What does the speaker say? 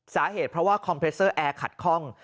สาเหตุเพราะว่าคอมเพรสเซอร์แอร์ขัดคล่อง